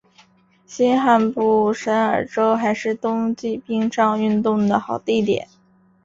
新罕布什尔州还是冬季冰上运动的好地点。